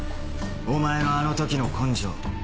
お前のあの時の根性。